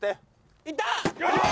いった！